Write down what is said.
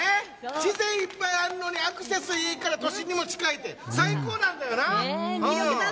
自然、いっぱいあるのにアクセスいい、都心にも近い、最高なんだよな。